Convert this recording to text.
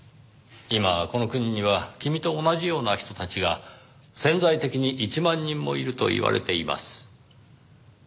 今この国には君と同じような人たちが潜在的に１万人もいるといわれています。